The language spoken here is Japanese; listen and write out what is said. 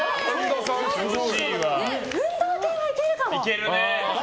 運動系はいけるかも。